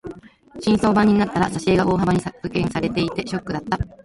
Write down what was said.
新装版になったら挿絵が大幅に削除されていてショックだった。